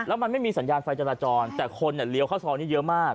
แล้วมันไม่มีสัญญาณไฟจราจรแต่คนเลี้ยวเข้าซอยนี้เยอะมาก